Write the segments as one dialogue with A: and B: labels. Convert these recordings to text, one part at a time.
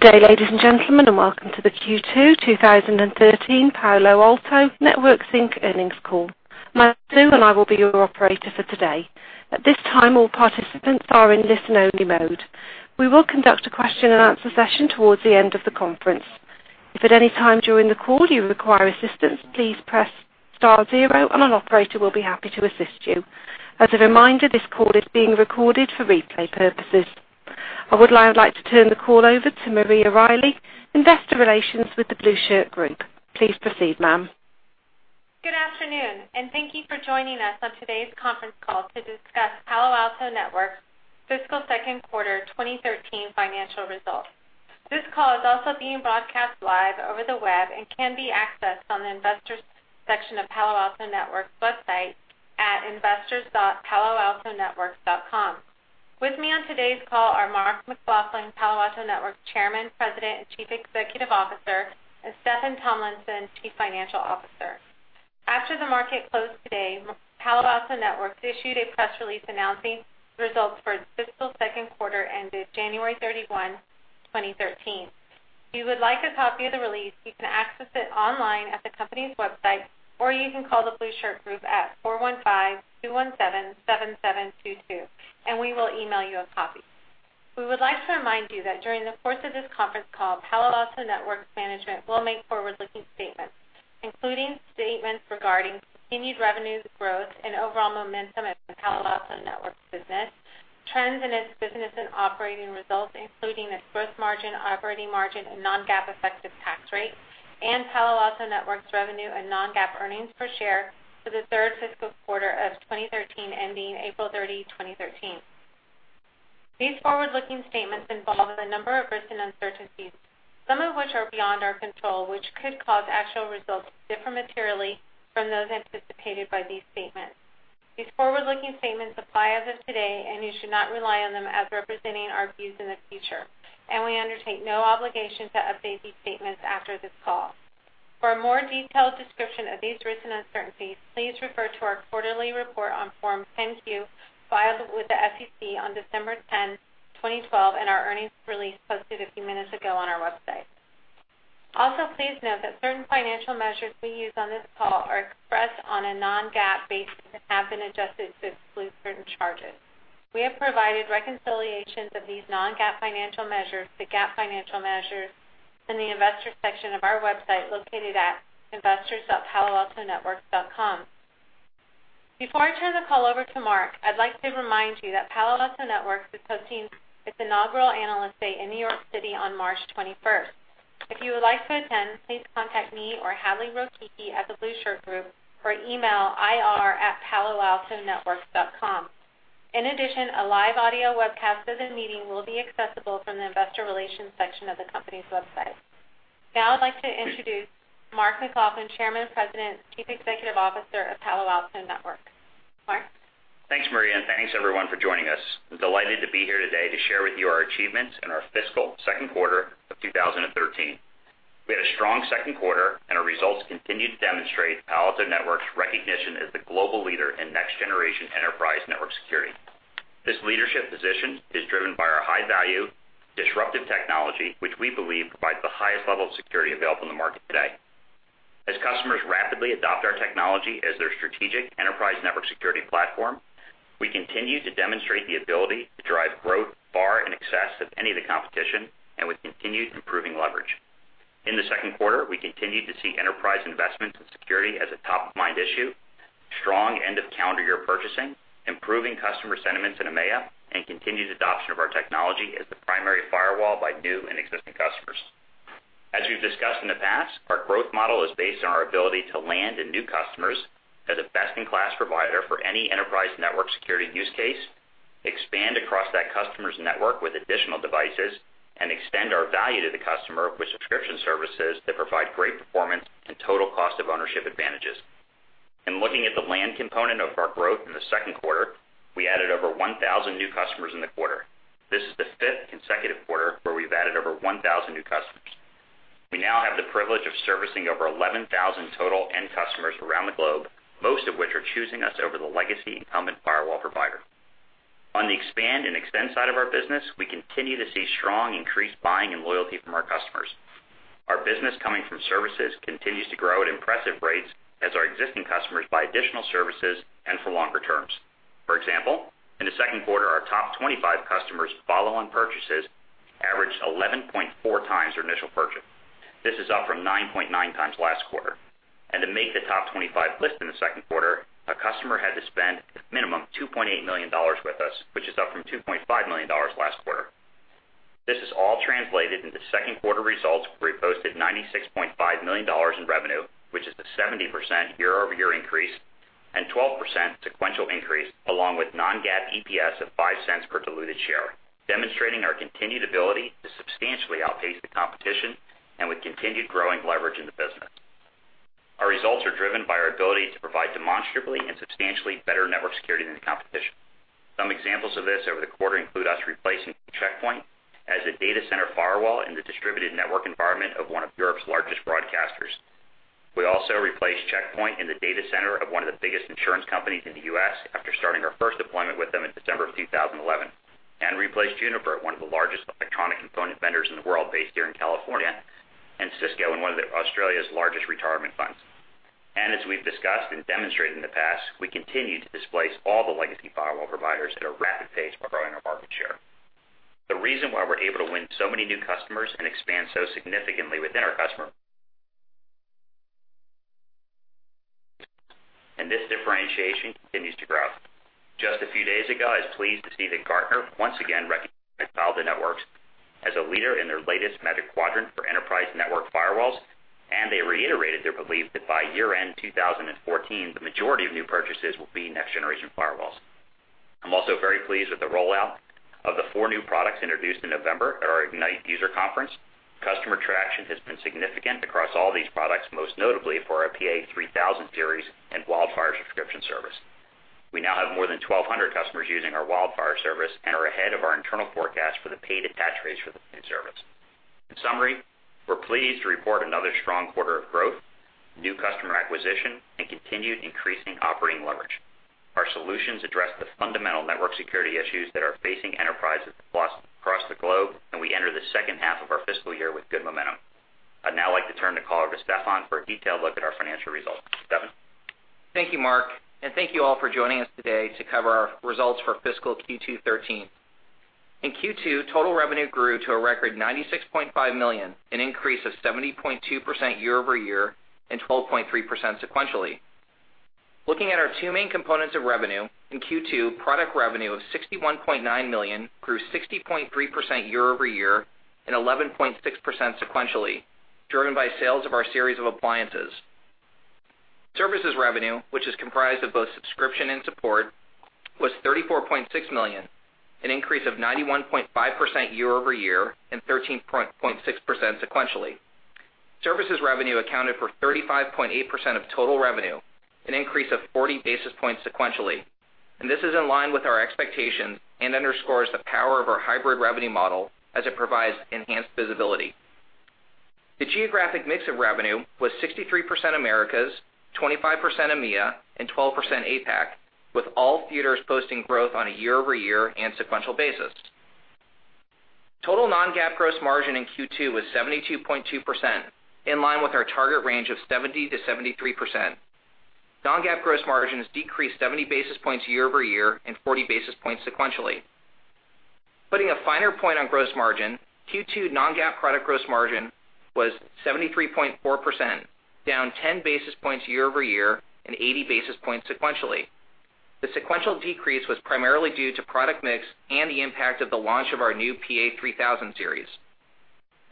A: Good day, ladies and gentlemen, and welcome to the Q2 2013 Palo Alto Networks Inc. earnings call. My name is Sue, and I will be your operator for today. At this time, all participants are in listen-only mode. We will conduct a question-and-answer session towards the end of the conference. If at any time during the call you require assistance, please press star zero, and an operator will be happy to assist you. As a reminder, this call is being recorded for replay purposes. I would now like to turn the call over to Maria Riley, investor relations with The Blueshirt Group. Please proceed, ma'am.
B: Good afternoon. Thank you for joining us on today's conference call to discuss Palo Alto Networks' fiscal second quarter 2013 financial results. This call is also being broadcast live over the web and can be accessed on the investors section of Palo Alto Networks' website at investors.paloaltonetworks.com. With me on today's call are Mark McLaughlin, Palo Alto Networks' Chairman, President, and Chief Executive Officer, and Steffan Tomlinson, Chief Financial Officer. After the market closed today, Palo Alto Networks issued a press release announcing the results for its fiscal second quarter ended January 31, 2013. If you would like a copy of the release, you can access it online at the company's website, or you can call The Blueshirt Group at 415-217-7722, and we will email you a copy. We would like to remind you that during the course of this conference call, Palo Alto Networks management will make forward-looking statements, including statements regarding continued revenue growth and overall momentum at the Palo Alto Networks business, trends in its business and operating results, including its gross margin, operating margin, and non-GAAP effective tax rate, and Palo Alto Networks' revenue and non-GAAP earnings per share for the third fiscal quarter of 2013 ending April 30, 2013. These forward-looking statements involve a number of risks and uncertainties, some of which are beyond our control, which could cause actual results to differ materially from those anticipated by these statements. These forward-looking statements apply as of today. You should not rely on them as representing our views in the future, and we undertake no obligation to update these statements after this call. For a more detailed description of these risks and uncertainties, please refer to our quarterly report on Form 10-Q filed with the SEC on December 10, 2012, and our earnings release posted a few minutes ago on our website. Also, please note that certain financial measures we use on this call are expressed on a non-GAAP basis and have been adjusted to exclude certain charges. We have provided reconciliations of these non-GAAP financial measures to GAAP financial measures in the investors section of our website located at investors.paloaltonetworks.com. Before I turn the call over to Mark, I'd like to remind you that Palo Alto Networks is hosting its inaugural Analyst Day in New York City on March 21st. If you would like to attend, please contact me or Hadley Rokicki at The Blueshirt Group or email ir@paloaltonetworks.com. In addition, a live audio webcast of the meeting will be accessible from the Investor Relations section of the company's website. Now I'd like to introduce Mark McLaughlin, Chairman, President, and Chief Executive Officer of Palo Alto Networks. Mark?
C: Thanks, Maria, and thanks everyone for joining us. I'm delighted to be here today to share with you our achievements in our fiscal second quarter of 2013. We had a strong second quarter. Our results continue to demonstrate Palo Alto Networks' recognition as the global leader in next-generation enterprise network security. This leadership position is driven by our high-value, disruptive technology, which we believe provides the highest level of security available in the market today. As customers rapidly adopt our technology as their strategic enterprise network security platform, we continue to demonstrate the ability to drive growth far in excess of any of the competition and with continued improving leverage. In the second quarter, we continued to see enterprise investments in security as a top-of-mind issue, strong end-of-calendar-year purchasing, improving customer sentiments in EMEA, and continued adoption of our technology as the primary firewall by new and existing customers. As we've discussed in the past, our growth model is based on our ability to land in new customers as a best-in-class provider for any enterprise network security use case, expand across that customer's network with additional devices, and extend our value to the customer with subscription services that provide great performance and total cost of ownership advantages. In looking at the land component of our growth in the second quarter, we added over 1,000 new customers in the quarter. This is the fifth consecutive quarter where we've added over 1,000 new customers. We now have the privilege of servicing over 11,000 total end customers around the globe, most of which are choosing us over the legacy incumbent firewall provider. On the expand and extend side of our business, we continue to see strong increased buying and loyalty from our customers. Our business coming from services continues to grow at impressive rates as our existing customers buy additional services and for longer terms. For example, in the second quarter, our top 25 customers' follow-on purchases averaged 11.4 times their initial purchase. This is up from 9.9 times last quarter. To make the top 25 list in the second quarter, a customer had to spend a minimum of $2.8 million with us, which is up from $2.5 million last quarter. This has all translated into second quarter results where we posted $96.5 million in revenue, which is a 70% year-over-year increase and 12% sequential increase, along with non-GAAP EPS of $0.05 per diluted share, demonstrating our continued ability to substantially outpace the competition and with continued growing leverage in the business. Our results are driven by our ability to provide demonstrably and substantially better network security than the competition. Some examples of this over the quarter include us replacing Check Point as a data center firewall in the distributed network environment of one of Europe's largest broadcasters. We also replaced Check Point in the data center of one of the biggest insurance companies in the U.S. after starting our first deployment with them in December of 2011, and replaced Juniper, one of the largest electronic component vendors in the world, based here in California, and Cisco in one of Australia's largest retirement funds. As we've discussed and demonstrated in the past, we continue to displace all the legacy firewall providers at a rapid pace by growing our market share. The reason why we're able to win so many new customers and expand so significantly within our customer. This differentiation continues to grow. Just a few days ago, I was pleased to see that Gartner once again recognized Palo Alto Networks as a leader in their latest Magic Quadrant for Enterprise Network Firewalls, and they reiterated their belief that by year-end 2014, the majority of new purchases will be next-generation firewalls. I'm also very pleased with the rollout of the four new products introduced in November at our Ignite user conference. Customer traction has been significant across all these products, most notably for our PA-3000 Series and WildFire subscription service. We now have more than 1,200 customers using our WildFire service and are ahead of our internal forecast for the paid attach rates for the new service. In summary, we're pleased to report another strong quarter of growth, new customer acquisition, and continued increasing operating leverage. Our solutions address the fundamental network security issues that are facing enterprises across the globe. We enter the second half of our fiscal year with good momentum. I'd now like to turn the call over to Steffan for a detailed look at our financial results. Steffan?
D: Thank you, Mark, and thank you all for joining us today to cover our results for fiscal Q2 2013. In Q2, total revenue grew to a record $96.5 million, an increase of 70.2% year-over-year and 12.3% sequentially. Looking at our two main components of revenue, in Q2, product revenue of $61.9 million grew 60.3% year-over-year and 11.6% sequentially, driven by sales of our series of appliances. Services revenue, which is comprised of both subscription and support, was $34.6 million, an increase of 91.5% year-over-year and 13.6% sequentially. Services revenue accounted for 35.8% of total revenue, an increase of 40 basis points sequentially. This is in line with our expectations and underscores the power of our hybrid revenue model as it provides enhanced visibility. The geographic mix of revenue was 63% Americas, 25% EMEA, and 12% APAC, with all theaters posting growth on a year-over-year and sequential basis. Total non-GAAP gross margin in Q2 was 72.2%, in line with our target range of 70%-73%. Non-GAAP gross margins decreased 70 basis points year-over-year and 40 basis points sequentially. Putting a finer point on gross margin, Q2 non-GAAP product gross margin was 73.4%, down 10 basis points year-over-year and 80 basis points sequentially. The sequential decrease was primarily due to product mix and the impact of the launch of our new PA-3000 Series.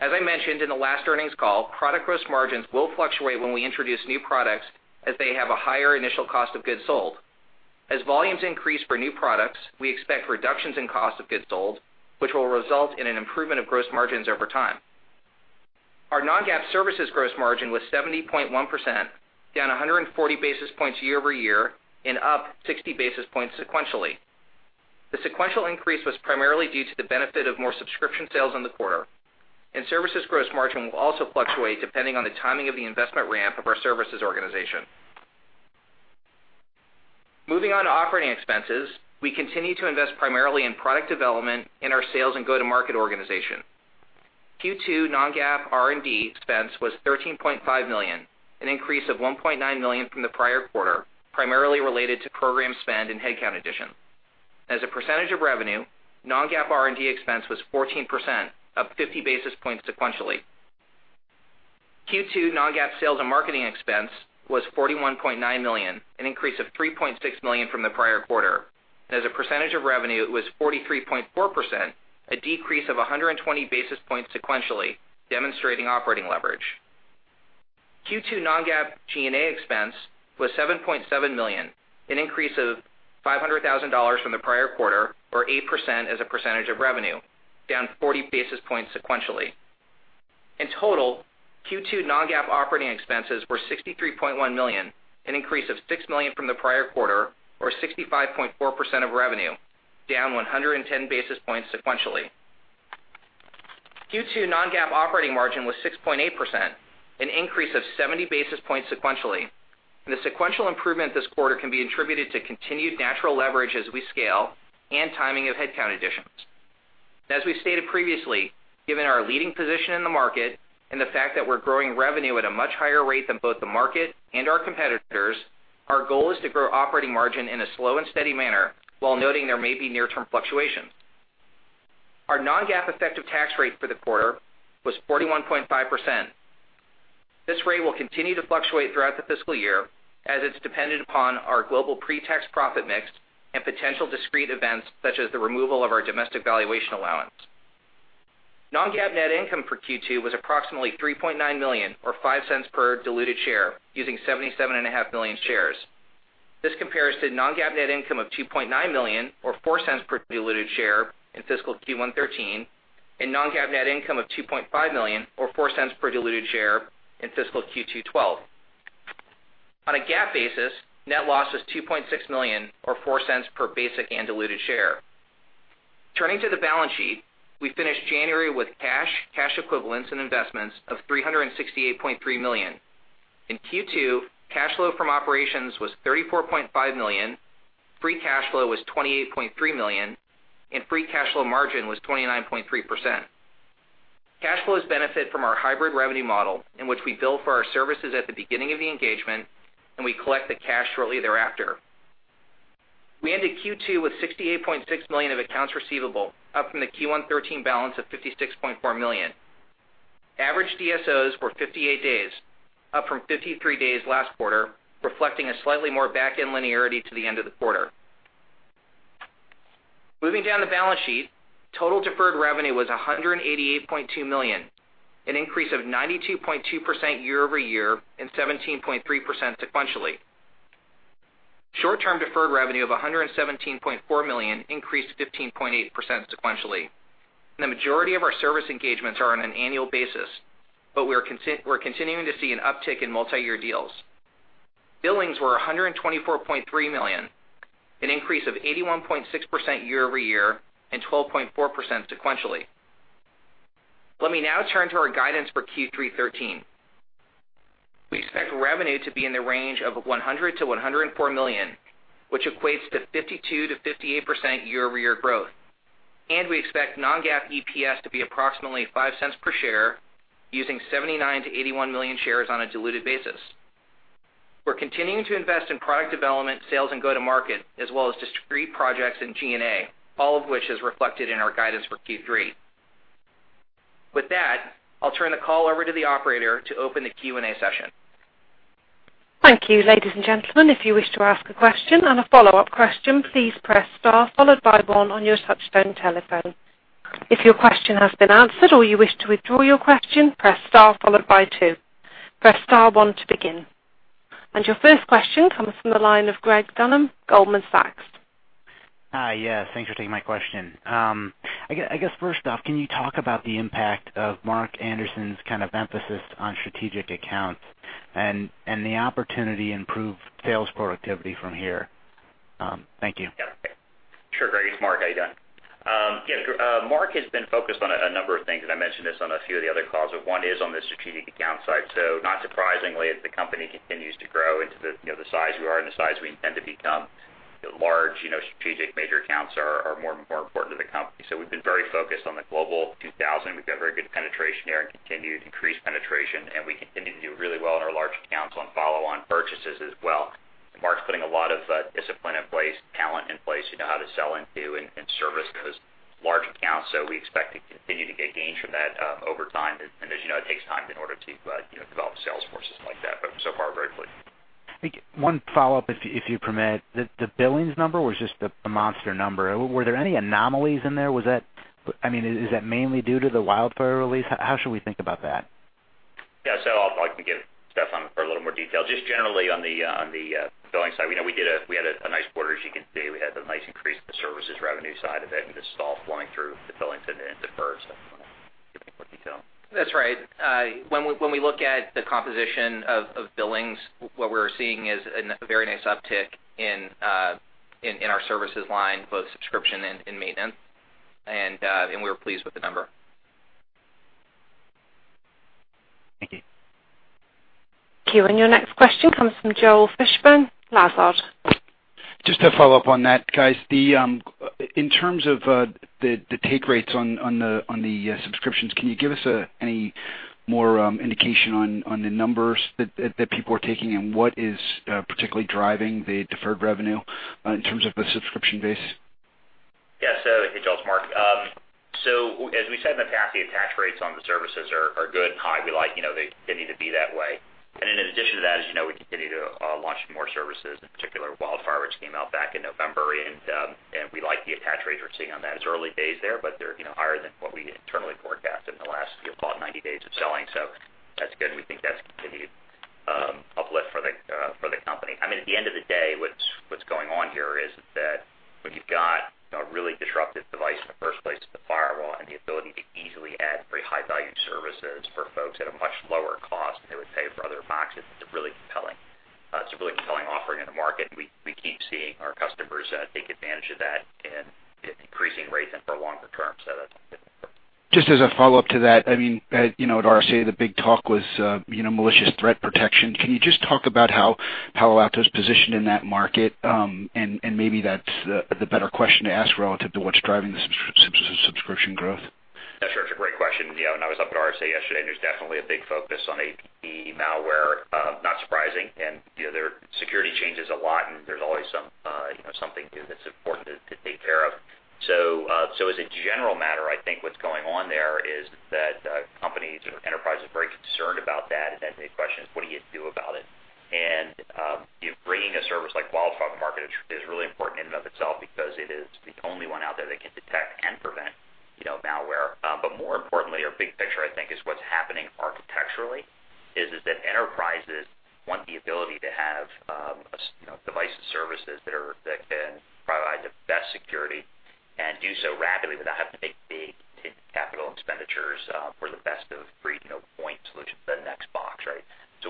D: As I mentioned in the last earnings call, product gross margins will fluctuate when we introduce new products as they have a higher initial cost of goods sold. As volumes increase for new products, we expect reductions in cost of goods sold, which will result in an improvement of gross margins over time. Our non-GAAP services gross margin was 70.1%, down 140 basis points year-over-year and up 60 basis points sequentially. The sequential increase was primarily due to the benefit of more subscription sales in the quarter, and services gross margin will also fluctuate depending on the timing of the investment ramp of our services organization. Moving on to operating expenses, we continue to invest primarily in product development in our sales and go-to-market organization. Q2 non-GAAP R&D expense was $13.5 million, an increase of $1.9 million from the prior quarter, primarily related to program spend and headcount addition. As a percentage of revenue, non-GAAP R&D expense was 14%, up 50 basis points sequentially. Q2 non-GAAP sales and marketing expense was $41.9 million, an increase of $3.6 million from the prior quarter. As a percentage of revenue, it was 43.4%, a decrease of 120 basis points sequentially, demonstrating operating leverage. Q2 non-GAAP G&A expense was $7.7 million, an increase of $500,000 from the prior quarter, or 8% as a percentage of revenue, down 40 basis points sequentially. In total, Q2 non-GAAP operating expenses were $63.1 million, an increase of $6 million from the prior quarter, or 65.4% of revenue, down 110 basis points sequentially. Q2 non-GAAP operating margin was 6.8%, an increase of 70 basis points sequentially, and the sequential improvement this quarter can be attributed to continued natural leverage as we scale and timing of headcount additions. As we've stated previously, given our leading position in the market and the fact that we're growing revenue at a much higher rate than both the market and our competitors, our goal is to grow operating margin in a slow and steady manner while noting there may be near-term fluctuations. Our non-GAAP effective tax rate for the quarter was 41.5%. This rate will continue to fluctuate throughout the fiscal year as it's dependent upon our global pre-tax profit mix and potential discrete events such as the removal of our domestic valuation allowance. Non-GAAP net income for Q2 was approximately $3.9 million, or $0.05 per diluted share, using 77.5 million shares. This compares to non-GAAP net income of $2.9 million or $0.04 per diluted share in fiscal Q1 2013. Non-GAAP net income of $2.5 million or $0.04 per diluted share in fiscal Q2 2012. On a GAAP basis, net loss was $2.6 million or $0.04 per basic and diluted share. Turning to the balance sheet, we finished January with cash equivalents, and investments of $368.3 million. In Q2, cash flow from operations was $34.5 million, free cash flow was $28.3 million, and free cash flow margin was 29.3%. Cash flows benefit from our hybrid revenue model, in which we bill for our services at the beginning of the engagement and we collect the cash shortly thereafter. We ended Q2 with $68.6 million of accounts receivable, up from the Q113 balance of $56.4 million. Average DSOs were 58 days, up from 53 days last quarter, reflecting a slightly more back-end linearity to the end of the quarter. Moving down the balance sheet, total deferred revenue was $188.2 million, an increase of 92.2% year-over-year and 17.3% sequentially. Short-term deferred revenue of $117.4 million increased 15.8% sequentially. The majority of our service engagements are on an annual basis, but we're continuing to see an uptick in multi-year deals. Billings were $124.3 million, an increase of 81.6% year-over-year and 12.4% sequentially. Let me now turn to our guidance for Q313. We expect revenue to be in the range of $100 million-$104 million, which equates to 52%-58% year-over-year growth. We expect non-GAAP EPS to be approximately $0.05 per share, using 79 million-81 million shares on a diluted basis. We're continuing to invest in product development, sales, and go-to-market, as well as discrete projects in G&A, all of which is reflected in our guidance for Q3. With that, I'll turn the call over to the operator to open the Q&A session.
A: Thank you. Ladies and gentlemen, if you wish to ask a question and a follow-up question, please press star followed by one on your touch-tone telephone. If your question has been answered or you wish to withdraw your question, press star followed by two. Press star one to begin. Your first question comes from the line of Greg Dunham, Goldman Sachs.
E: Hi. Yeah, thanks for taking my question. I guess first off, can you talk about the impact of Mark Anderson's kind of emphasis on strategic accounts and the opportunity to improve sales productivity from here? Thank you.
C: Yeah. Sure, Greg. It's Mark. How you doing? Yeah. Mark has been focused on a number of things. I mentioned this on a few of the other calls, one is on the strategic account side. Not surprisingly, as the company continues to grow into the size we are and the size we intend to become, large strategic major accounts are more and more important to the company. We've been very focused on the Global 2000. We've got very good penetration there and continued increased penetration. We continue to do really well in our large accounts on follow-on purchases as well. Mark's putting a lot of discipline in place, talent in place, how to sell into and service those large accounts. We expect to continue to get gains from that over time. As you know, it takes time in order to develop sales forces like that. So far, very pleased.
E: One follow-up, if you permit. The billings number was just a monster number. Were there any anomalies in there? Is that mainly due to the WildFire release? How should we think about that?
C: Yeah. I'll probably give Steffan a little more detail. Just generally on the billings side, we had a nice quarter, as you can see. We had a nice increase in the services revenue side of it with the stall flowing through the billings and the defer. If you want to give any more detail.
D: That's right. When we look at the composition of billings, what we're seeing is a very nice uptick in our services line, both subscription and maintenance. We were pleased with the number.
E: Thank you.
A: Thank you. Your next question comes from Joel Fishbein, Lazard.
F: Just to follow up on that, guys. In terms of the take rates on the subscriptions, can you give us any more indication on the numbers that people are taking, what is particularly driving the deferred revenue in terms of the subscription base?
C: Yeah. Hey, Joel, it's Mark. As we said in the past, the attach rates on the services are good and high. They need to be that way. In addition to that, as you know, we continue to launch more services, in particular WildFire, which came out back in November. We like the attach rates we're seeing on that. It's early days there, but they're higher than what we internally forecasted in the last, call it, 90 days of selling. That's good, and we think that's continued uplift for the company. At the end of the day, what's going on here is that when you've got a really disruptive device in the first place as the firewall and the ability to easily add very high-value services for folks at a much lower cost than they would pay for other boxes, it's a really compelling offering in the market, we keep seeing our customers take advantage of that in increasing rates and for longer terms. That's good.
F: Just as a follow-up to that, at RSA, the big talk was malicious threat protection. Can you just talk about how Palo Alto's positioned in that market? Maybe that's the better question to ask relative to what's driving the subscription growth.
C: Sure. It's a great question. Yeah, when I was up at RSA yesterday, there's definitely a big focus on APT malware. Not surprising, and their security changes a lot, and there's always something new that's important to take care of. As a general matter, I think what's going on there is that companies or enterprises are very concerned about that, and then the question is, what do you do about it? Bringing a service like WildFire to market is really important in and of itself because it is the only one out there that can detect and prevent malware. More importantly, our big picture, I think, is what's happening architecturally, is that enterprises want the ability to have device services that can provide the best security and do so rapidly without having to make big capital expenditures for.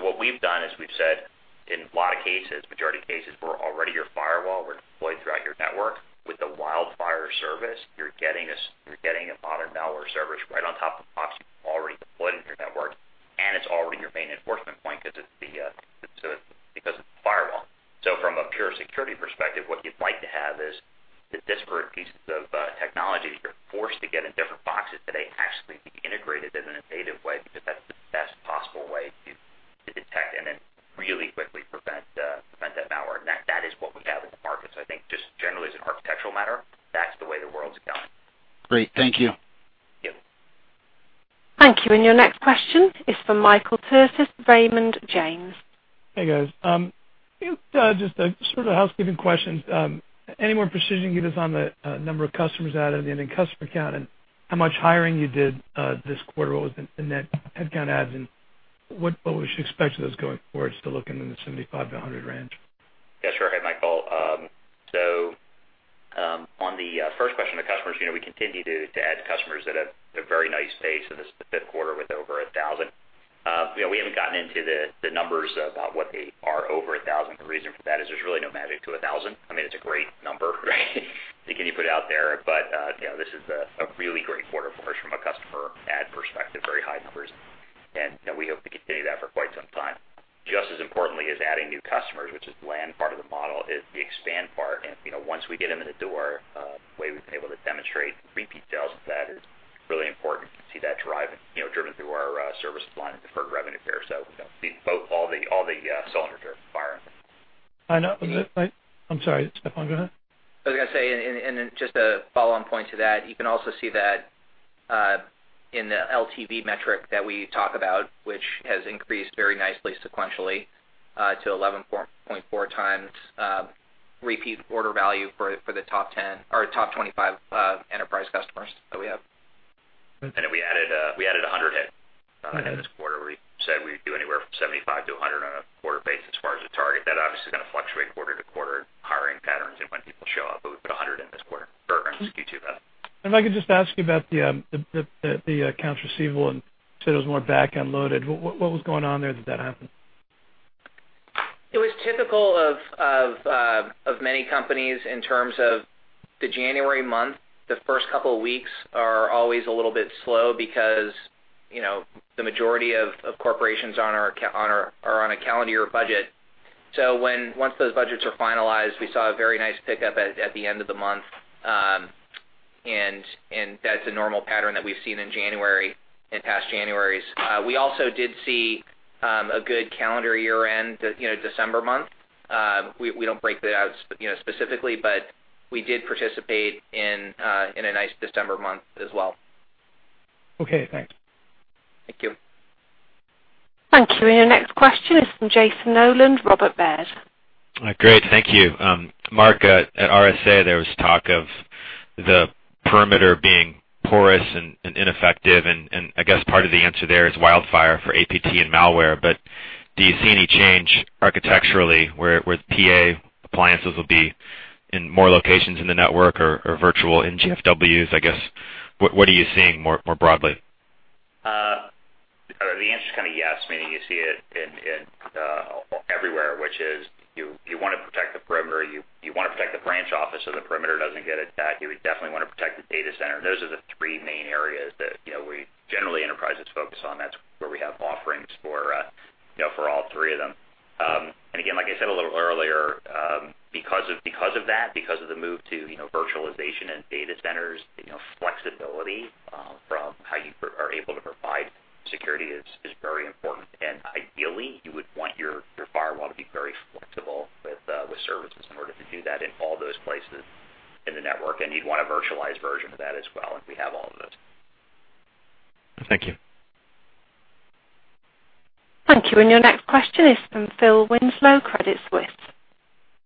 C: What we've done is we've said in a lot of cases, majority of cases, we're already your firewall. We're deployed throughout your network with the WildFire service. You're getting a modern malware service right on top of the box you've already deployed in your network, and it's already your main enforcement point because it's a firewall. From a pure security perspective, what you'd like to have is the disparate pieces of technologies you're forced to get in different boxes today actually be integrated in a native way, because that's the best possible way to detect and then really quickly prevent that malware. That is what we have in the market. I think just generally as an architectural matter, that's the way the world's going.
F: Great. Thank you.
C: Yeah.
A: Thank you. Your next question is from Michael Turits, Raymond James.
G: Hey, guys. Just a sort of a housekeeping question. Any more precision you can give us on the number of customers added in the ending customer count, and how much hiring you did this quarter? What was the net headcount adds, and what we should expect those going forward to look in the 75-100 range?
C: Yeah, sure. Hey, Michael. On the first question on the customers, we continue to add customers at a very nice pace. This is the fifth quarter with over 1,000. We haven't gotten into the numbers about what they are over 1,000. The reason for that is there's really no magic to 1,000. I mean, it's a great number that can you put out there. This is a really great quarter for us from a customer add perspective, very high numbers, and we hope to continue that for quite some time. Just as importantly as adding new customers, which is the land part of the model, is the expand part. Once we get them in the door, the way we've been able to demonstrate repeat sales with that is really important. You can see that driven through our services line and deferred revenue here. All the cylinders are firing.
G: I know. I'm sorry, Steffan, go ahead.
D: I was going to say, just a follow-on point to that, you can also see that in the LTV metric that we talk about, which has increased very nicely sequentially to 11.4 times repeat order value for the top 10 or top 25 enterprise customers that we have.
C: We added 100 head in this quarter. We said we'd do anywhere from 75 to 100 on a quarter basis as far as the target. That obviously is going to fluctuate quarter-to-quarter, hiring patterns and when people show up. We put 100 in this quarter, we're going to stick to that.
G: If I could just ask you about the accounts receivable, and you said it was more back-end loaded. What was going on there that that happened?
D: It was typical of many companies in terms of the January month. The first couple of weeks are always a little bit slow because the majority of corporations are on a calendar year budget. Once those budgets are finalized, we saw a very nice pickup at the end of the month. That's a normal pattern that we've seen in January, in past Januaries. We also did see a good calendar year-end December month. We don't break that out specifically, but we did participate in a nice December month as well.
G: Okay, thanks.
D: Thank you.
A: Thank you. Your next question is from Jason Noland, Robert Baird.
H: Great, thank you. Mark, at RSA, there was talk of the perimeter being porous and ineffective. I guess part of the answer there is WildFire for APT and malware. Do you see any change architecturally, where PA appliances will be in more locations in the network or virtual NGFWs, I guess? What are you seeing more broadly?
C: The answer is kind of yes, meaning you see it everywhere, which is you want to protect the perimeter, you want to protect the branch office so the perimeter doesn't get attacked. You would definitely want to protect the data center. Those are the three main areas that generally enterprises focus on. That's where we have offerings for all three of them. Again, like I said a little earlier, because of that, because of the move to virtualization and data centers, flexibility from how you are able to provide security is very important. Ideally, you would want your firewall to be very flexible with services in order to do that in all those places in the network. You'd want a virtualized version of that as well, and we have all of those.
H: Thank you.
A: Thank you. Your next question is from Phil Winslow, Credit Suisse.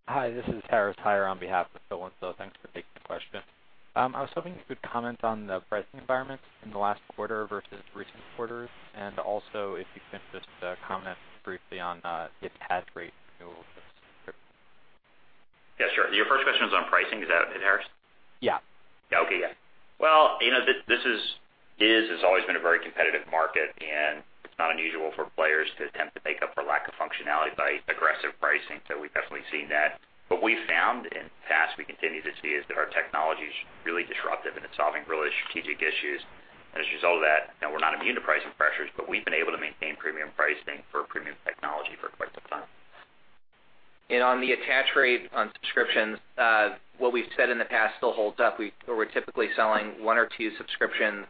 I: Hi, this is Harris Tyler on behalf of Phil Winslow. Thanks for taking the question. I was hoping you could comment on the pricing environment in the last quarter versus recent quarters. If you could just comment briefly on the attach rate renewal rates.
C: Yeah, sure. Your first question was on pricing, is that it, Harris?
I: Yeah.
C: Okay, yeah. Well, this has always been a very competitive market. It's not unusual for players to attempt to make up for lack of functionality by aggressive pricing. We've definitely seen that. What we've found in the past, we continue to see, is that our technology's really disruptive and it's solving really strategic issues. As a result of that, we're not immune to pricing pressures, but we've been able to maintain premium pricing for premium technology for quite some time.
D: On the attach rate on subscriptions, what we've said in the past still holds up. We're typically selling one or two subscriptions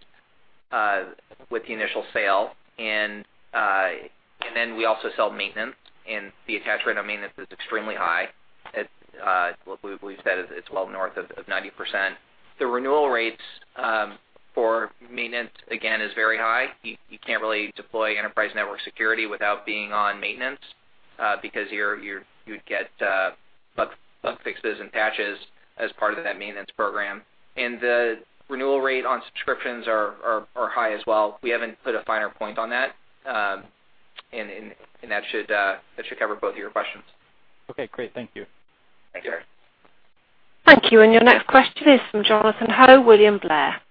D: with the initial sale. We also sell maintenance. The attach rate on maintenance is extremely high. We've said it's well north of 90%. The renewal rates for maintenance, again, is very high. You can't really deploy enterprise network security without being on maintenance, because you'd get bug fixes and patches as part of that maintenance program. The renewal rate on subscriptions are high as well. We haven't put a finer point on that. That should cover both of your questions.
I: Okay, great. Thank you.
C: Thanks, Harris.
A: Thank you. Your next question is from Jonathan Ho, William Blair.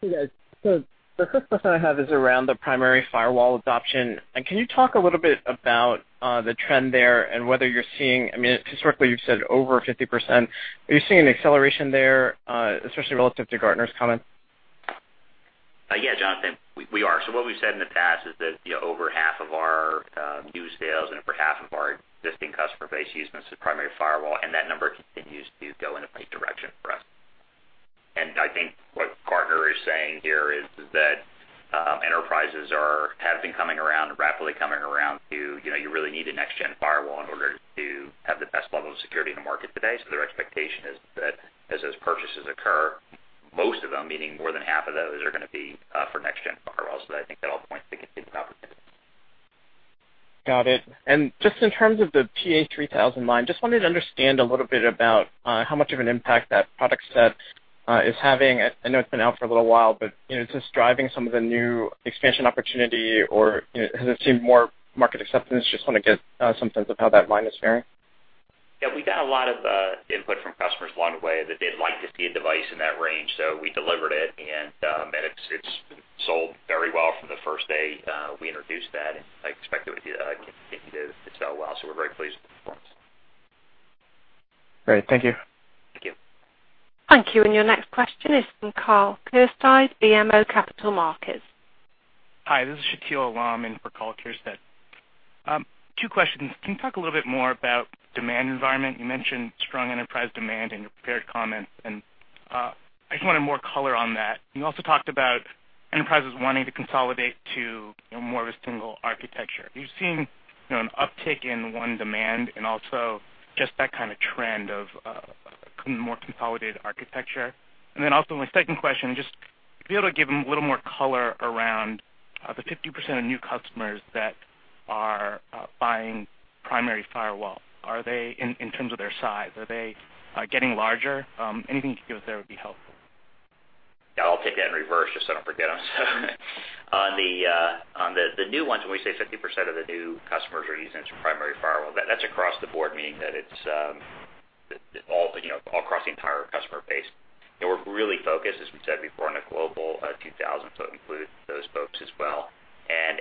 J: Hey guys. The first question I have is around the primary firewall adoption. Can you talk a little bit about the trend there and whether you're seeing I mean, historically, you've said over 50%. Are you seeing an acceleration there, especially relative to Gartner's comment?
C: Jonathan, we are. What we've said in the past is that over half of our new sales and over half of our existing customer base use the primary firewall, and that number continues to go in the right direction for us. I think what Gartner is saying here is that enterprises have been coming around, rapidly coming around to you really need a next-gen firewall in order to have the best level of security in the market today. Their expectation is that as those purchases occur, most of them, meaning more than half of those, are going to be for next-gen firewalls. I think that all points to continued opportunity.
J: Got it. Just in terms of the PA-3000 line, just wanted to understand a little bit about how much of an impact that product set is having. I know it's been out for a little while, but is this driving some of the new expansion opportunity or has it seen more market acceptance? Just want to get some sense of how that line is faring.
C: Yeah. We got a lot of input from customers along the way that they'd like to see a device in that range. We delivered it, and it's sold very well from the first day we introduced that, and I expect it to continue to sell well. We're very pleased with the performance.
J: Great. Thank you.
C: Thank you.
A: Thank you. Your next question is from Karl Keirstead, BMO Capital Markets.
K: Hi, this is Shakeel Alam in for Karl Keirstead. Two questions. Can you talk a little bit more about demand environment? You mentioned strong enterprise demand in your prepared comments, and I just wanted more color on that. You also talked about enterprises wanting to consolidate to more of a single architecture. Are you seeing an uptick in one demand and also just that kind of trend of a more consolidated architecture? Then also my second question, just if you're able to give a little more color around the 50% of new customers that are buying Primary Firewall. In terms of their size, are they getting larger? Anything you can give us there would be helpful.
C: Yeah, I'll take that in reverse just so I don't forget them. On the new ones, when we say 50% of the new customers are using some Primary Firewall, that's across the board, meaning that it's all across the entire customer base. We're really focused, as we said before, on the Global 2000, so it includes those folks as well.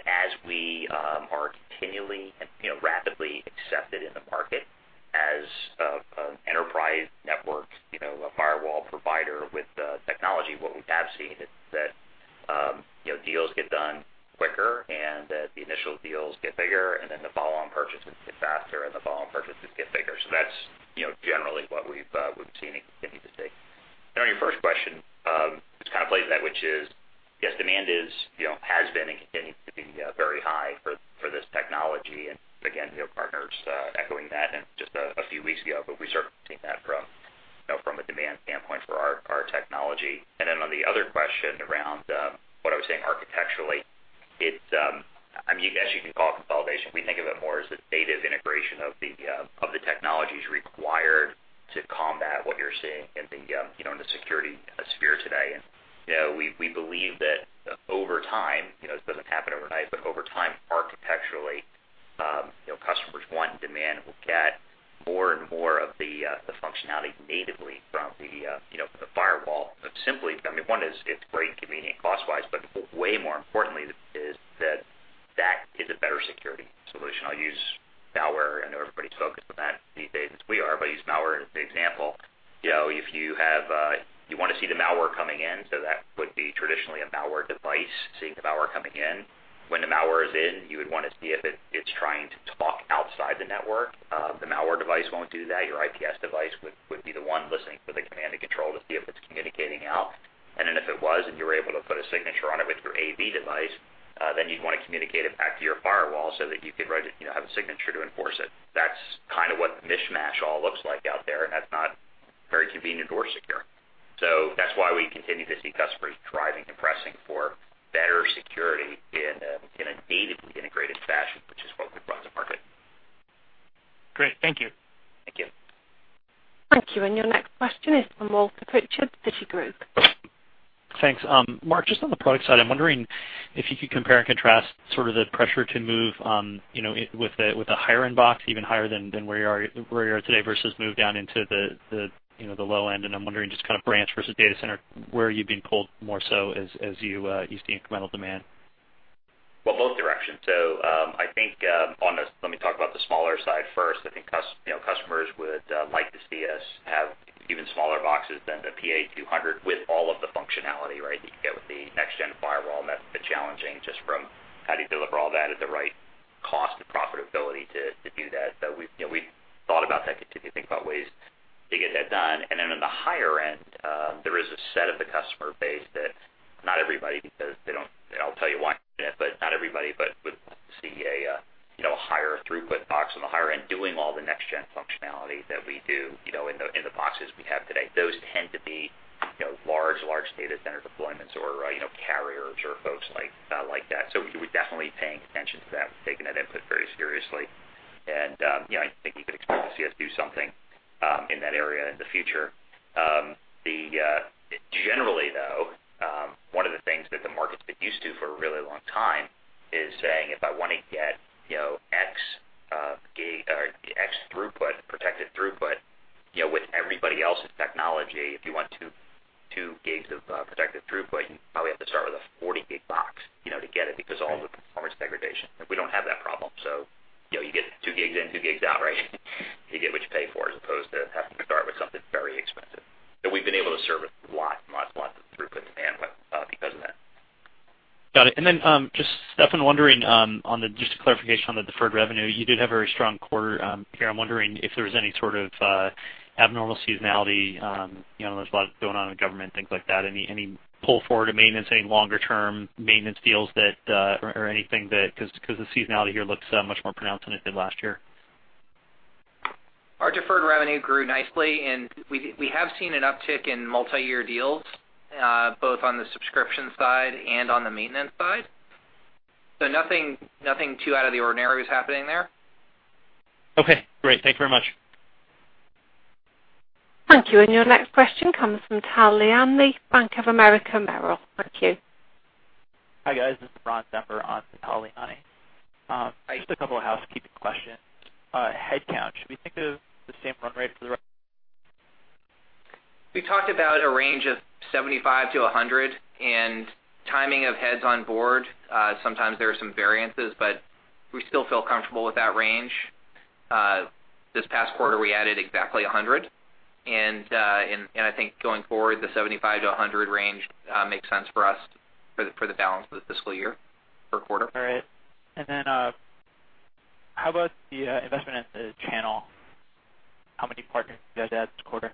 C: As we are continually and rapidly accepted in the market as an enterprise network, a firewall provider with the technology, what we have seen is that deals get done quicker and that the initial deals get bigger, and then the follow-on purchases get faster, and the follow-on purchases get bigger. That's generally what we've seen and continue to see. On your first question, just kind of plays into that, which is, yes, demand has been and continues to be very high for this technology. Again, we have partners echoing that just a few weeks ago, but we certainly have seen that from a demand standpoint for our technology. Then on the other question around what I was saying architecturally, as you can call it consolidation, we think of it more as the native integration of the technologies required to combat what you're seeing in the security sphere today. We believe that over time, this doesn't happen overnight, but over time, architecturally, customers want and demand and will get more and more of the functionality natively from the firewall. Simply, I mean, one is it's great and convenient cost-wise, but way more importantly is that that is a better security solution. I'll use malware. I know everybody's focused on that these days, as we are, but I use malware as an example. If you want to see the malware coming in, that would be traditionally a malware device, seeing the malware coming in. When the malware is in, you would want to see if it's trying to talk outside the network. The malware device won't do that. Your IPS device would be the one listening for the command and control to see if it's communicating out. If it was, and you were able to put a signature on it with your AV device, you'd want to communicate it back to your firewall so that you could have a signature to enforce it. That's kind of what the mishmash all looks like out there, and that's not very convenient or secure. That's why we continue to see customers driving and pressing for better security in a natively integrated fashion, which is what we brought to market.
K: Great. Thank you.
C: Thank you.
A: Thank you. Your next question is from Walter Pritchard, Citigroup.
L: Thanks. Mark, just on the product side, I'm wondering if you could compare and contrast sort of the pressure to move with a higher end box, even higher than where you are today, versus move down into the low end. I'm wondering just kind of branch versus data center, where are you being pulled more so as you see incremental demand?
C: Well, both directions. I think, let me talk about the smaller side first. I think customers would like to see us have even smaller boxes than the PA-200 with all of the functionality, right, that you get with the next-generation firewall, and that's the challenging, just from how do you deliver all that at the right cost and profitability to do that. We've thought about that, continue to think about ways to get that done. Then on the higher end, there is a set of the customer base that not everybody because they don't, and I'll tell you why in a minute, but not everybody, but would like to see a higher throughput box on the higher end doing all the next-gen functionality that we do in the boxes we have today. Those tend to be large data center deployments or carriers or folks like that. We're definitely paying attention to that. We've taken that input very seriously. I think you could expect to see us do something in that area in the future. Generally, though, one of the things that the market's been used to for a really long time is saying, if I want to get X With everybody else's technology, if you want 2 gigs of protected throughput, you probably have to start with a 40-gig box to get it because all the performance degradation. We don't have that problem. You get 2 gigs in, 2 gigs out, right? You get what you pay for, as opposed to having to start with something very expensive. We've been able to service lots and lots and lots of throughput and bandwidth because of that.
L: Got it. Steffan, just a clarification on the deferred revenue. You did have a very strong quarter here. I'm wondering if there was any sort of abnormal seasonality. There's a lot going on in government, things like that. Any pull forward of maintenance, any longer-term maintenance deals, or anything that, because the seasonality here looks much more pronounced than it did last year?
D: Our deferred revenue grew nicely. We have seen an uptick in multi-year deals, both on the subscription side and on the maintenance side. Nothing too out of the ordinary is happening there.
L: Okay, great. Thank you very much.
A: Thank you. Your next question comes from Tal Liani, Bank of America Merrill Lynch. Thank you.
M: Hi, guys. This is Ron Zember on Tal Liani.
C: Hi.
M: Just a couple of housekeeping questions. Headcount, should we think of the same run rate for the rest?
C: We talked about a range of 75-100. Timing of heads on board, sometimes there are some variances. We still feel comfortable with that range. This past quarter, we added exactly 100. I think going forward, the 75-100 range makes sense for us for the balance of the fiscal year per quarter.
M: All right. How about the investment in the channel? How many partners have you added this quarter?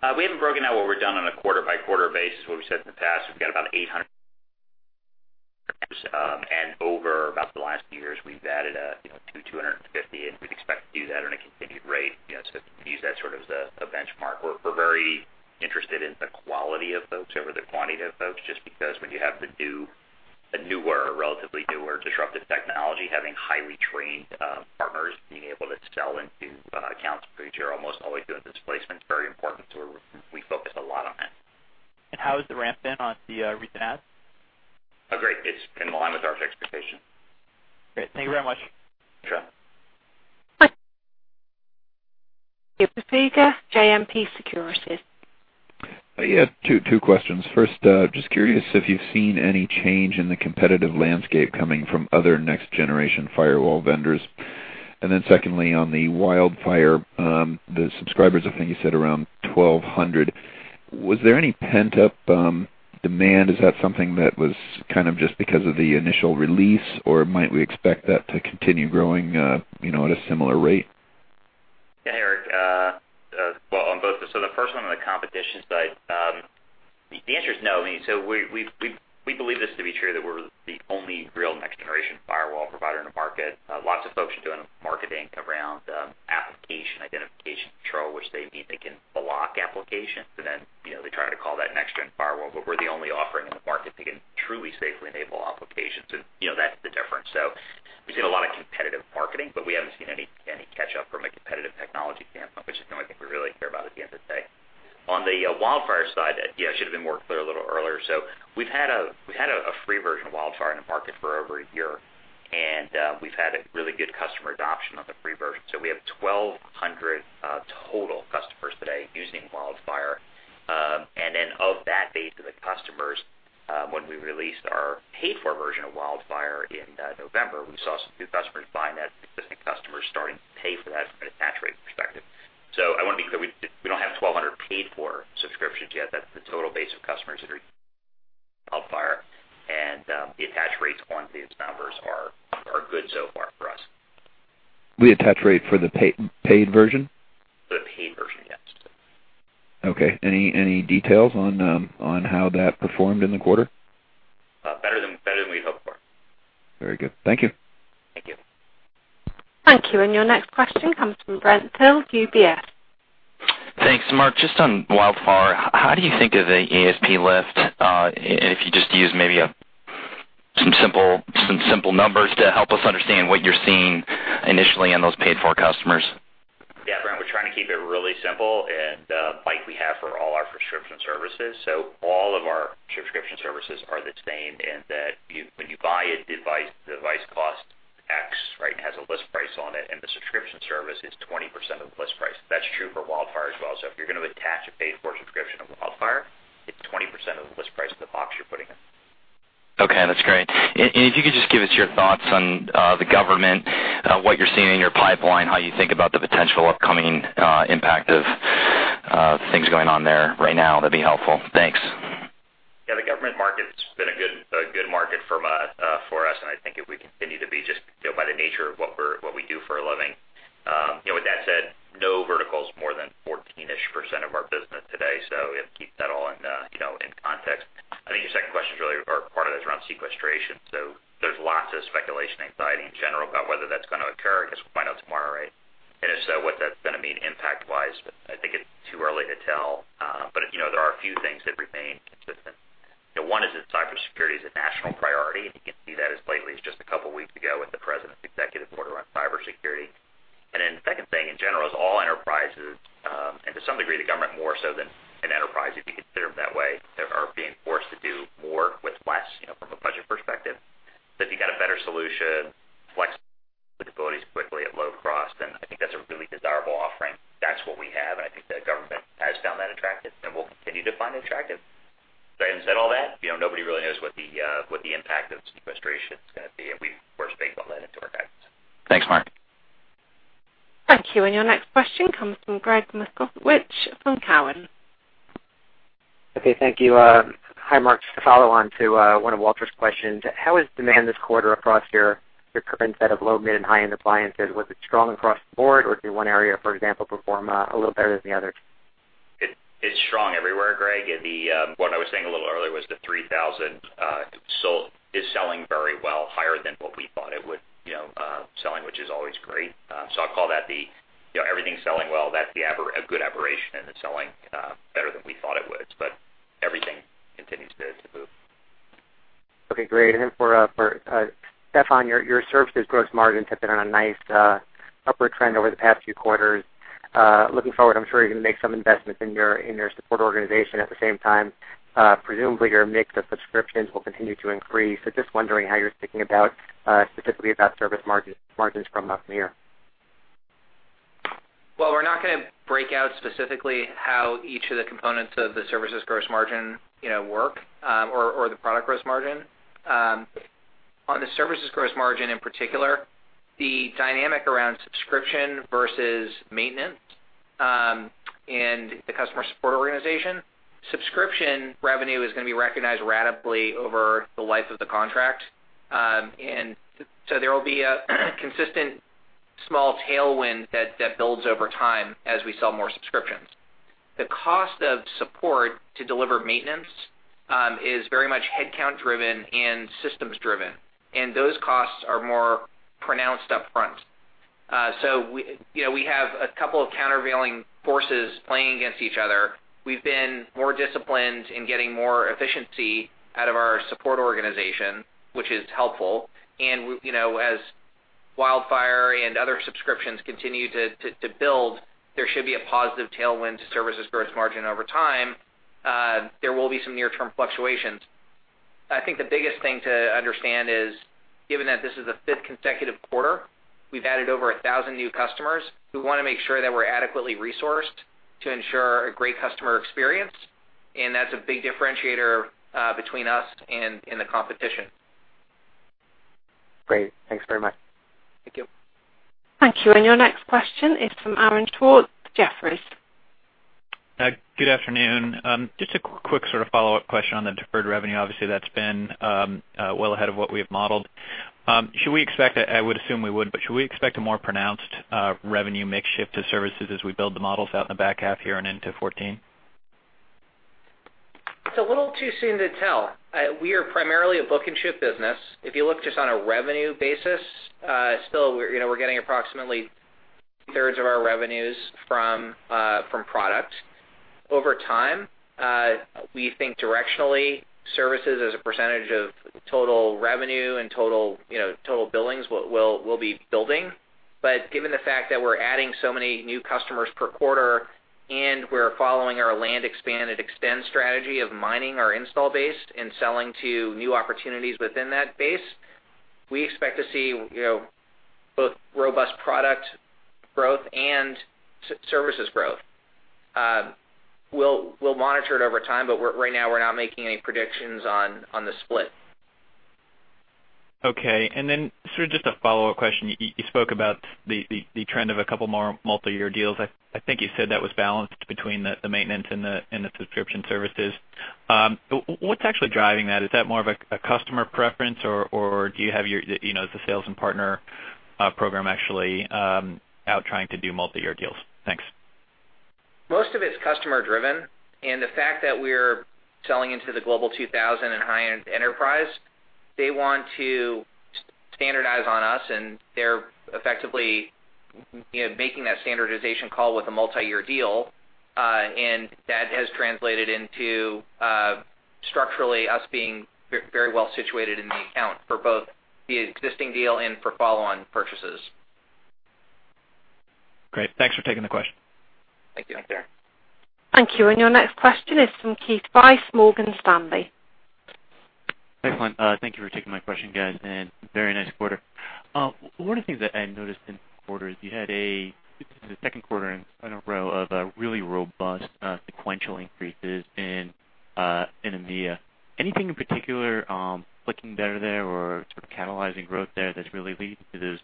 C: We haven't broken out what we've done on a quarter-by-quarter basis, what we said in the past. We've got about 800. Over about the last few years, we've added 250, and we'd expect to do that on a continued rate. If you can use that sort of as a benchmark. We're very interested in the quality of folks over the quantity of folks, just because when you have a newer or relatively newer disruptive technology, having highly trained partners being able to sell into accounts where you're almost always doing displacement is very important, so we focused a lot on that.
M: How has the ramp been on the recent adds?
C: Great. It's been in line with our expectation.
M: Great. Thank you very much.
C: Sure.
A: Your next question comes from Erik Suppiger, JMP Securities.
N: Yeah, two questions. First, just curious if you've seen any change in the competitive landscape coming from other next-generation firewall vendors. Secondly, on the WildFire, the subscribers, I think you said around 1,200. Was there any pent-up demand? Is that something that was kind of just because of the initial release, or might we expect that to continue growing at a similar rate?
C: Yeah, Erik. Well, on both. The first one on the competition side, the answer is no. We believe this to be true, that we're the only real next-generation firewall provider in the market. Lots of folks are doing marketing around application identification control, which they mean they can block applications, and then they try to call that next-gen firewall. We're the only offering in the market that can truly safely enable applications, and that's the difference. We've seen a lot of competitive marketing, but we haven't seen any catch-up from a competitive technology standpoint, which is the only thing we really care about at the end of the day. On the WildFire side, yeah, I should've been more clear a little earlier. We've had a free version of WildFire in the market for over a year, and we've had a really good customer adoption of the free version. We have 1,200 total customers today using WildFire. Of that base of the customers, when we released our paid-for version of WildFire in November, we saw some new customers buying that and existing customers starting to pay for that from an attach rate perspective. I want to be clear, we don't have 1,200 paid-for subscriptions yet. That's the total base of customers that are using WildFire. The attach rates on these numbers are good so far for us.
N: The attach rate for the paid version?
C: For the paid version, yes.
N: Okay. Any details on how that performed in the quarter?
C: Better than we had hoped for.
N: Very good. Thank you.
C: Thank you.
A: Thank you. Your next question comes from Brent Thill, UBS.
O: Thanks. Mark, just on WildFire, how do you think of the ASP lift? If you just use maybe some simple numbers to help us understand what you're seeing initially in those paid-for customers.
C: Brent, we're trying to keep it really simple and light we have for all our subscription services. All of our subscription services are the same in that when you buy a device, the device costs X, right, and has a list price on it, and the subscription service is 20% of the list price. That's true for WildFire as well. If you're going to attach a paid-for subscription of WildFire, it's 20% of the list price of the box you're putting in.
O: Okay, that's great. If you could just give us your thoughts on the government, what you're seeing in your pipeline, how you think about the potential upcoming impact of things going on there right now, that'd be helpful. Thanks.
C: Yeah, the government market's been a good market for us, and I think it will continue to be just by the nature of what we do for a living. With that said, no vertical is more than 14-ish percent of our business today, so we have to keep that all in context. I think your second question, really, or part of it, is around sequestration. There's lots of speculation, anxiety in general about whether that's going to occur. I guess we'll find out tomorrow. If so, what that's going to mean impact-wise. I think it's too early to tell. There are a few things that remain consistent. One is that cybersecurity is a national priority. You can see that as lately as just a couple of weeks ago with the president's executive order on cybersecurity. The second thing, in general, is all enterprises, and to some degree, the government more so than an enterprise, if you consider them that way, are being forced to do more solution, flexibility quickly at low cost, and I think that's a really desirable offering. That's what we have, and I think the government has found that attractive and will continue to find attractive. Having said all that, nobody really knows what the impact of sequestration is going to be, and we, of course, bake all that into our guidance.
O: Thanks, Mark.
A: Thank you. Your next question comes from Gregg Moskowitz from Cowen.
P: Okay. Thank you. Hi, Mark. Just to follow on to one of Walter's questions, how is demand this quarter across your current set of low, mid, and high-end appliances? Was it strong across the board or did one area, for example, perform a little better than the others?
C: It is strong everywhere, Gregg. What I was saying a little earlier was the 3000 is selling very well, higher than what we thought it would, selling, which is always great. I'll call that the everything's selling well. That's a good aberration, it's selling better than we thought it would. Everything continues to move.
P: Okay, great. For Steffan, your services gross margins have been on a nice upward trend over the past few quarters. Looking forward, I'm sure you're going to make some investments in your support organization at the same time. Presumably, your mix of subscriptions will continue to increase. Just wondering how you're thinking specifically about service margins from up here.
D: Well, we're not going to break out specifically how each of the components of the services gross margin work or the product gross margin. On the services gross margin, in particular, the dynamic around subscription versus maintenance and the customer support organization, subscription revenue is going to be recognized ratably over the life of the contract. There will be a consistent small tailwind that builds over time as we sell more subscriptions. The cost of support to deliver maintenance is very much headcount-driven and systems-driven, and those costs are more pronounced up front. We have a couple of countervailing forces playing against each other. We've been more disciplined in getting more efficiency out of our support organization, which is helpful. As WildFire and other subscriptions continue to build, there should be a positive tailwind to services gross margin over time. There will be some near-term fluctuations. I think the biggest thing to understand is, given that this is the fifth consecutive quarter we've added over 1,000 new customers, we want to make sure that we're adequately resourced to ensure a great customer experience. That's a big differentiator between us and the competition.
P: Great. Thanks very much.
D: Thank you.
A: Thank you. Your next question is from Aaron Schwartz, Jefferies.
Q: Good afternoon. Just a quick sort of follow-up question on the deferred revenue. Obviously, that's been well ahead of what we have modeled. I would assume we would, but should we expect a more pronounced revenue mix shift to services as we build the models out in the back half here and into 2014?
D: It's a little too soon to tell. We are primarily a book-and-ship business. If you look just on a revenue basis, still we're getting approximately two-thirds of our revenues from product. Over time, we think directionally, services as a percentage of total revenue and total billings will be building. Given the fact that we're adding so many new customers per quarter and we're following our land, expand and extend strategy of mining our install base and selling to new opportunities within that base, we expect to see both robust product growth and services growth. We'll monitor it over time, but right now, we're not making any predictions on the split.
Q: Okay. Sort of just a follow-up question. You spoke about the trend of a couple more multi-year deals. I think you said that was balanced between the maintenance and the subscription services. What's actually driving that? Is that more of a customer preference, or do you have the sales and partner program actually out trying to do multi-year deals? Thanks.
D: Most of it's customer-driven, the fact that we're selling into the Global 2000 and high-end enterprise, they want to standardize on us, and they're effectively making that standardization call with a multi-year deal. That has translated into structurally us being very well situated in the account for both the existing deal and for follow-on purchases.
Q: Great. Thanks for taking the question.
D: Thank you.
C: Thanks, Aaron.
A: Thank you. Your next question is from Keith Weiss, Morgan Stanley.
R: Excellent. Thank you for taking my question, guys, and very nice quarter. One of the things that I noticed in the quarter is you had a, I think this is the second quarter in a row of really robust sequential increases in EMEA. Anything in particular looking better there or sort of catalyzing growth there that's really leading to this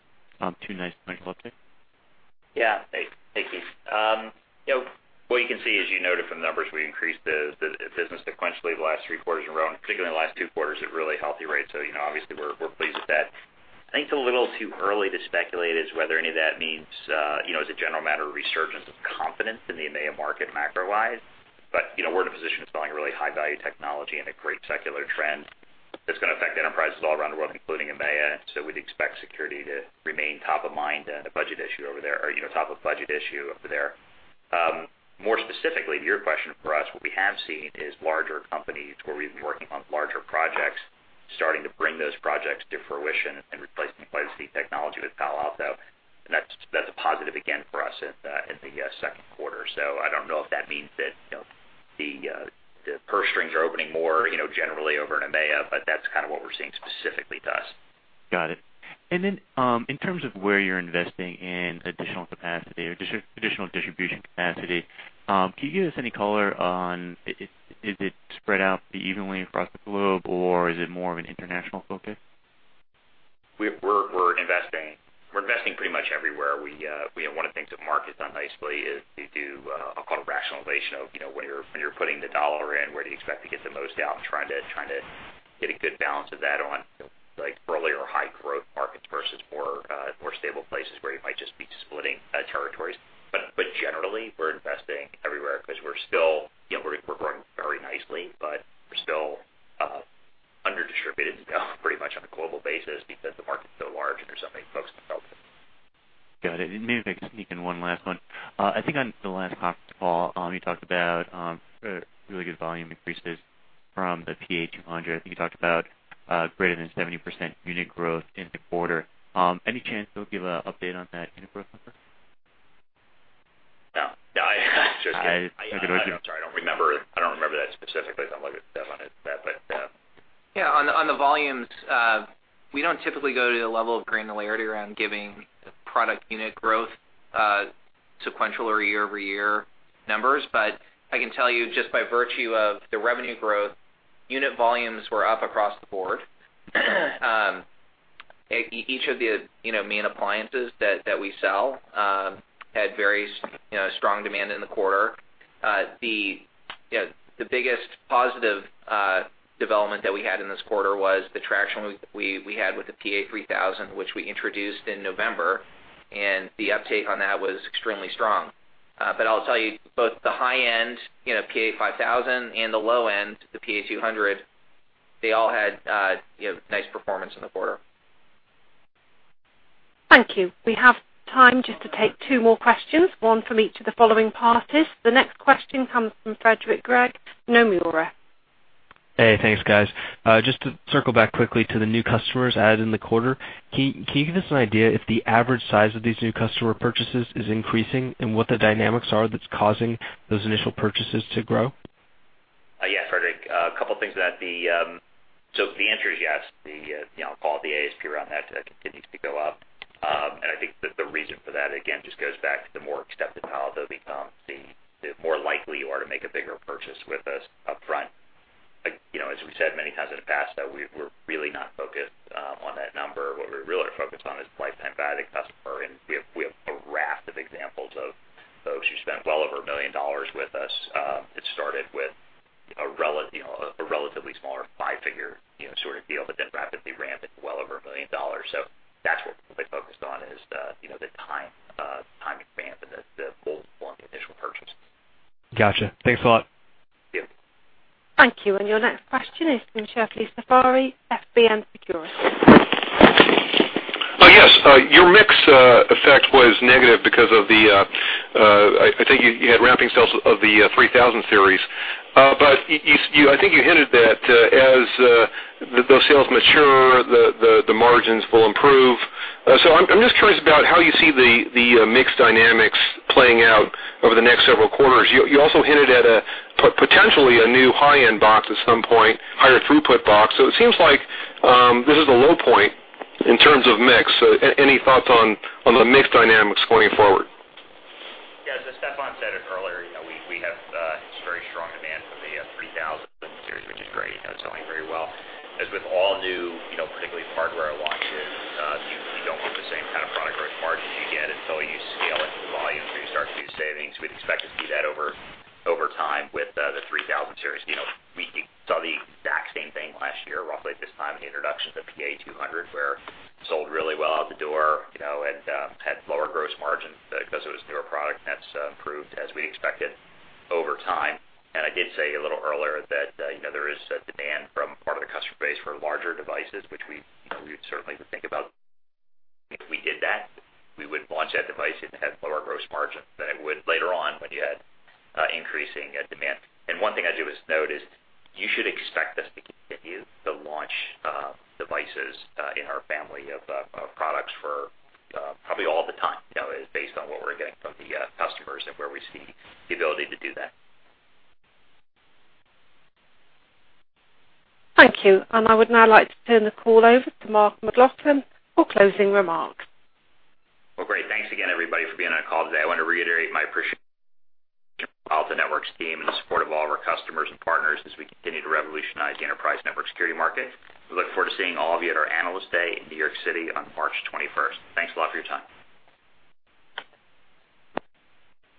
R: two nice sequential upticks?
C: Yeah. Thanks, Keith. What you can see, as you noted from the numbers, we increased the business sequentially the last three quarters in a row, and particularly the last two quarters at a really healthy rate. Obviously, we're pleased with that. I think it's a little too early to speculate as whether any of that means, as a general matter, a resurgence of confidence in the EMEA market macro-wise. We're in a position of selling a really high-value technology and a great secular trend that's going to affect enterprises all around the world, including EMEA. We'd expect security to remain top of mind and a budget issue over there, or top of budget issue over there. More specifically to your question for us, what we have seen is larger companies where we've been working on larger projects, starting to bring those projects to fruition and replacing legacy technology with Palo Alto. That's a positive again for us in the second quarter. I don't know if that means that the purse strings are opening more generally over in EMEA, but that's kind of what we're seeing specifically to us.
R: Got it. In terms of where you're investing in additional capacity or additional distribution capacity, can you give us any color on, is it spread out evenly across the globe, or is it more of an international focus?
C: We're investing pretty much everywhere. One of the things that Mark has done nicely is to do, I'll call it rationalization of when you're putting the dollar in, where do you expect to get the most out, and trying to get a good balance of that on earlier high-growth markets versus more stable places where you might just be splitting territories. Generally, we're investing everywhere because we're growing very nicely, but we're still under-distributed still pretty much on a global basis because the market's so large and there's so many folks to help.
R: Got it. Maybe if I could sneak in one last one. I think on the last conference call, you talked about really good volume increases from the PA-200. I think you talked about greater than 70% unit growth in the quarter. Any chance you'll give an update on that unit growth number?
C: No.
R: Just kidding.
C: I'm sorry, I don't remember that specifically, so I'm not going to comment on that, but yeah.
D: Yeah, on the volumes, we don't typically go to the level of granularity around giving product unit growth sequential or year-over-year numbers. I can tell you just by virtue of the revenue growth, unit volumes were up across the board. Each of the main appliances that we sell had very strong demand in the quarter. The biggest positive development that we had in this quarter was the traction we had with the PA-3000, which we introduced in November, and the uptake on that was extremely strong. I'll tell you, both the high end, PA-5000 and the low end, the PA-200, they all had nice performance in the quarter.
A: Thank you. We have time just to take two more questions, one from each of the following parties. The next question comes from Frederick Grieb, Nomura.
S: Hey, thanks, guys. Just to circle back quickly to the new customers added in the quarter, can you give us an idea if the average size of these new customer purchases is increasing and what the dynamics are that's causing those initial purchases to grow?
C: Yeah, Frederick. A couple things with that. The answer is yes. The quality ASP around that continues to go up. I think that the reason for that, again, just goes back to the more accepted Palo Alto becomes, the more likely you are to make a bigger purchase with us upfront. As we said many times in the past, though, we're really not focused on that number. What we really are focused on is lifetime value customer, and we have a raft of examples of folks who spend well over $1 million with us that started with a relatively smaller five-figure sort of deal, but then rapidly ramped it to well over $1 million. That's what we're focused on, is the time to ramp and the goal for the initial purchase.
S: Got you. Thanks a lot.
C: Yeah.
A: Thank you. Your next question is from Shebly Seyrafi, FBN Securities.
T: Yes. Your mix effect was negative because of the, I think you had ramping sales of the 3,000 Series. I think you hinted that as those sales mature, the margins will improve. I'm just curious about how you see the mix dynamics playing out over the next several quarters. You also hinted at potentially a new high-end box at some point, higher throughput box. It seems like this is the low point in terms of mix. Any thoughts on the mix dynamics going forward?
C: Yeah. As Steffan said it earlier, we have very strong demand for the 3,000 Series, which is great. It's selling very well. As with all new, particularly hardware launches, you don't want the same kind of product gross margins you get until you scale it to the volumes where you start to see the savings. We'd expect to see that over time with the 3,000 Series. We saw the exact same thing last year, roughly at this time in the introduction of the PA-200, where it sold really well out the door and had lower gross margin because it was a newer product, and that's improved as we'd expected over time. I did say a little earlier that there is a demand from part of the customer base for larger devices, which we would certainly think about if we did that. We would launch that device. It'd have lower gross margin than it would later on when you had increasing demand. One thing I do is note is you should expect us to continue to launch devices in our family of products for probably all the time, based on what we're getting from the customers and where we see the ability to do that.
A: Thank you. I would now like to turn the call over to Mark McLaughlin for closing remarks.
C: Well, great. Thanks again, everybody, for being on the call today. I want to reiterate my appreciation of the Palo Alto Networks team and the support of all of our customers and partners as we continue to revolutionize the enterprise network security market. We look forward to seeing all of you at our Analyst Day in New York City on March 21st. Thanks a lot for your time.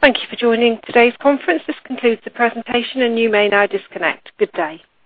A: Thank you for joining today's conference. This concludes the presentation, and you may now disconnect. Good day